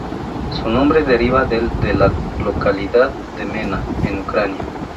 Su nombre deriva del de la localidad de Mena, en Ucrania.